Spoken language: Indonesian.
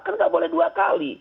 kan nggak boleh dua kali